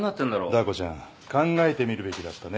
ダー子ちゃん考えてみるべきだったね。